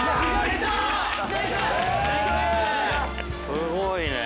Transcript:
すごいねぇ。